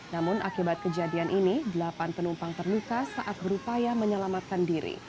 namun akibat kejadian ini delapan penumpang terluka saat berupaya menyelamatkan diri